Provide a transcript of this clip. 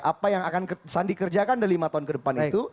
apa yang akan sandi kerjakan dalam lima tahun ke depan itu